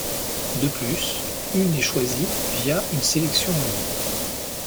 De plus, une est choisie via une sélection en ligne.